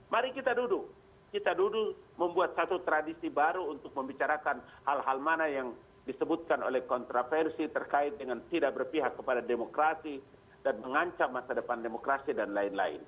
mari kita duduk kita duduk membuat satu tradisi baru untuk membicarakan hal hal mana yang disebutkan oleh kontroversi terkait dengan tidak berpihak kepada demokrasi dan mengancam masa depan demokrasi dan lain lain